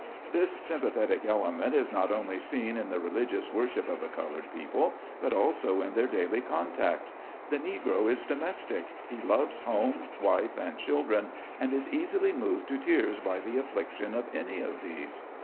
This sympathetic element is not only seen in the religious worship of the colored people, but also in their daily contact. The Negro is domestic, he loves home, wife and children, and is easily moved to 108 SLAVE CABIN TO PULPIT. tears by the affliction of any of these.